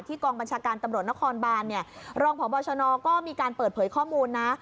กองบัญชาการตำรวจนครบานเนี่ยรองพบชนก็มีการเปิดเผยข้อมูลนะ